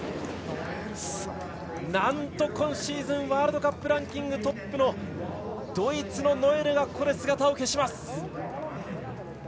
なんと、今シーズンワールドカップランキングトップのドイツのノエルがここで姿を消します。